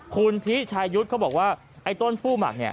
คุณพิชายุทธ์เขาบอกว่าไอ้ต้นฟู้หมักเนี่ย